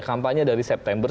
kampanye dari september